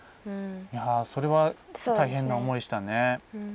それは大変な思いをしたね。